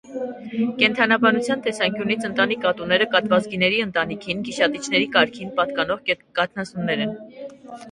Կենդանաբանության տեսանկյունից ընտանի կատուները կատվազգիների ընտանիքին, գիշատիչների կարգին պատկանող կաթնասուններ են։